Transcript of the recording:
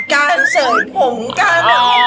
การเสยงผมการ